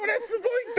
すごい。